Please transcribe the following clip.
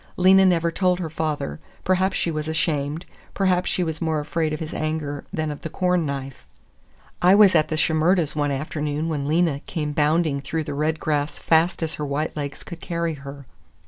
Lena never told her father; perhaps she was ashamed; perhaps she was more afraid of his anger than of the corn knife. I was at the Shimerdas' one afternoon when Lena came bounding through the red grass as fast as her white legs could carry her.